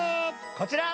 こちら！